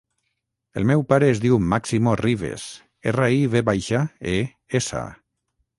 El meu pare es diu Máximo Rives: erra, i, ve baixa, e, essa.